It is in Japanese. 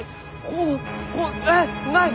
えっない！？